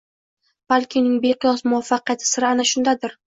Balki uning beqiyos muvaffaqiyati siri ana shundadir